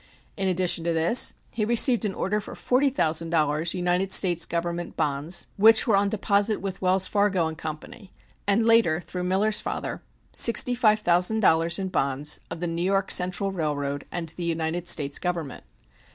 In addition to this he received an order for forty thousand dollars United States Government bonds, which were on deposit with Wells, Fargo & Co., and later, through Miller's father, sixty five thousand dollars in bonds of the New York Central Railroad and the United States Government.